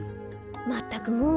まったくもう。